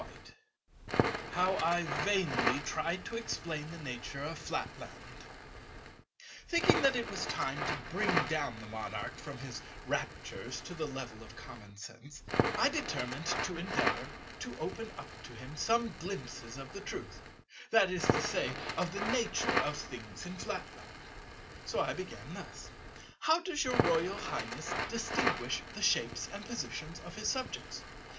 § 14 How I vainly tried to explain the nature of Flatland Thinking that it was time to bring down the Monarch from his raptures to the level of common sense, I determined to endeavour to open up to him some glimpses of the truth, that is to say of the nature of things in Flatland. So I began thus: "How does your Royal Highness distinguish the shapes and positions of his subjects?